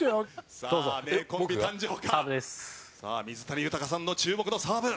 さあ水谷豊さんの注目のサーブ。